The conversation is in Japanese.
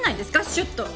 シュッと。